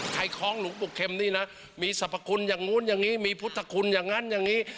คล้องหลวงปู่เข็มนี่นะมีสรรพคุณอย่างนู้นอย่างนี้มีพุทธคุณอย่างนั้นอย่างนี้